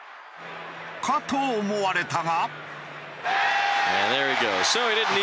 かと思われたが。